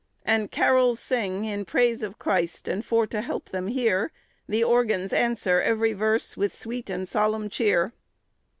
"And carols sing in prayse of Christ, and for to help them heare, The organs answere every verse with sweete and solemne cheare."